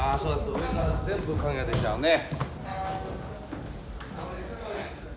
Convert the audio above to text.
上から全部影が出ちゃうね。